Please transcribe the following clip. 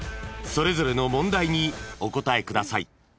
［それぞれの問題にお答えください］